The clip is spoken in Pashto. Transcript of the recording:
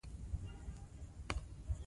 سیاسي نظام د خلکو اراده ښيي